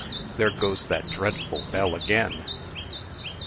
there goes that dreadful bell again!"